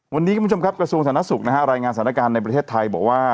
วันนี้คุณผู้ชมครับกระทรวงสาธารณสุขนะฮะรายงานสถานการณ์ในประเทศไทยบอกว่า